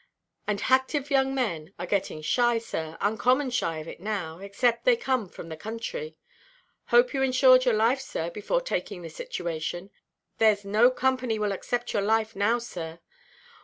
And hactive young men are getting shy, sir, uncommon shy of it now, except they come from the country. Hope you insured your life, sir, before taking the situation. Thereʼs no company will accept your life now, sir.